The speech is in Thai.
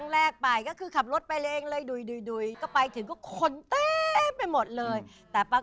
แล้วจะให้้เล่าเลยหรอ